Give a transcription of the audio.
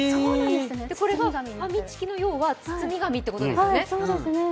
これがファミチキの包み紙ってことですよね。